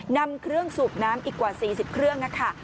นำเครื่องสูบน้ำอีกกว่า๔๐เครื่องค่ะ